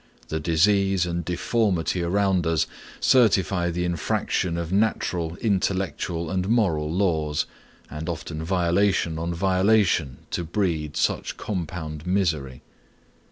The disease and deformity around us certify the infraction of natural, intellectual, and moral laws, and often violation on violation to breed such compound misery.